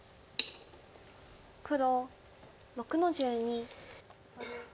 黒６の十二。